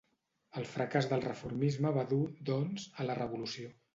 El fracàs del reformisme va dur, doncs, a la Revolució.